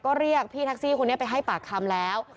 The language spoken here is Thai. ก็เรียกพี่แท็กซี่คนนี้ไปให้ปากคำแล้ว